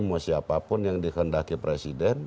mau siapapun yang dikendaki presiden